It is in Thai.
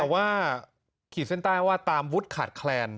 แต่ว่าขีดเส้นใต้ว่าตามวุฒิขาดแคลน